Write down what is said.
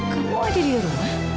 kamu ada di rumah